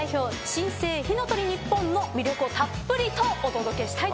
新生火の鳥ＮＩＰＰＯＮの魅力をたっぷりとお届けしたいと思います。